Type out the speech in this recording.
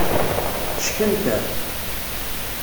Ckenter.